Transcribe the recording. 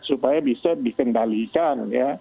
supaya bisa dikendalikan